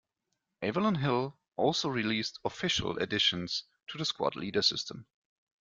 Avalon Hill also released "official" additions to the Squad Leader system.